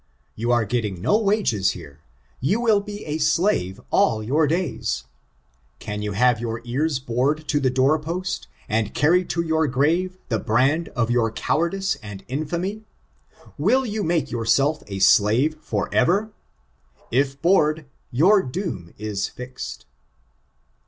You are getting no wages here : you will be a slave all your days. Can you have your ears bored to the door post, and carry to your grave the brand of your cowardice and infamy I Will you make yourself a slave for ever I If bored, your doom is fixed.'